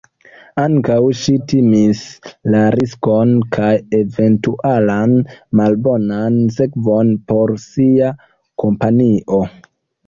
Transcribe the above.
Ankaŭ ŝi timis la riskon kaj eventualan malbonan sekvon por sia kompanio.